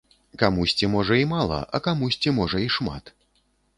Камусьці можа і мала, а камусьці можа і шмат.